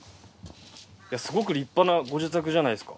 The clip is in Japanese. すごく立派なご自宅じゃないですか。